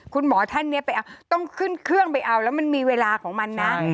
คุณหมอท่านนี้ไปเอาต้องขึ้นเครื่องไปเอาแล้วมันมีเวลาของมันนะ